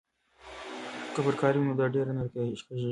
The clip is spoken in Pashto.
که پرکار وي نو دایره نه کږیږي.